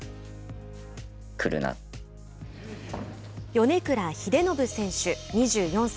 米倉英信選手、２４歳。